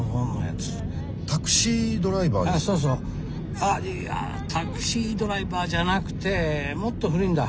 あっいや「タクシードライバー」じゃなくてもっと古いんだ。